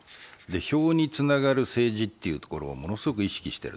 票につながる政治というのをものすごく意識している。